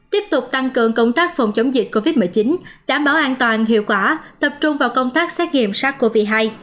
tiếp tục tăng cường công tác phòng chống dịch covid một mươi chín đảm bảo an toàn hiệu quả tập trung vào công tác xét nghiệm sars cov hai